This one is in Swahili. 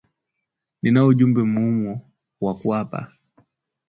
Ninao ujumbe muhimu wa kuwapa